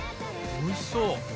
おいしそう！